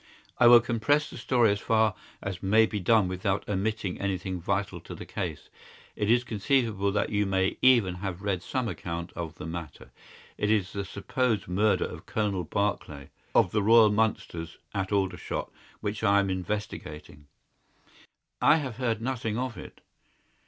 "I will compress the story as far as may be done without omitting anything vital to the case. It is conceivable that you may even have read some account of the matter. It is the supposed murder of Colonel Barclay, of the Royal Mallows, at Aldershot, which I am investigating." "I have heard nothing of it."